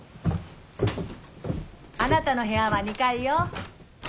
あなたの部屋は２階よ。